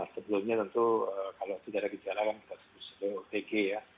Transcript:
sebelumnya tentu kalau tidak ada gejala kan kita sebut sebagai otg ya